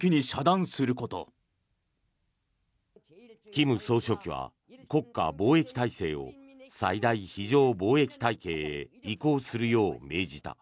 金総書記は国家防疫体制を最大非常防疫体系へ移行するよう命じた。